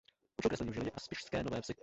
Učil kreslení v Žilině a v Spišské Nové Vsi.